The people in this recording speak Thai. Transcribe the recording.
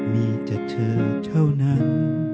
มีแต่เธอเท่านั้น